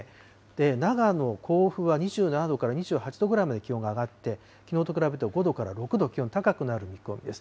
長野、甲府は２７度から２８度ぐらいまで気温が上がって、きのうと比べても５度から６度、気温、高くなる見込みです。